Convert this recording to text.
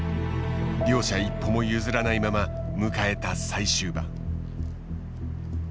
両者一歩も譲らないまま迎えた最終盤。